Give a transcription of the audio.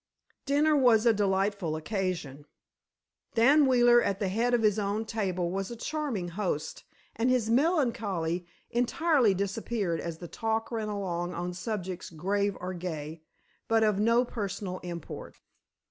Dinner was a delightful occasion. Daniel Wheeler, at the head of his own table, was a charming host, and his melancholy entirely disappeared as the talk ran along on subjects grave or gay, but of no personal import.